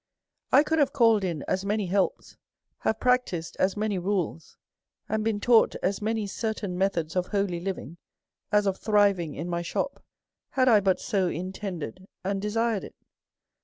'' I could have called in as many helps, have prac tised as many rules, and been taught as many certain methods of holy living, as of thriving in my shop, had I but so intended and desired it.